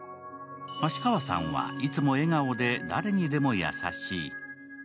芦川さんはいつも笑顔で誰にでも優しい。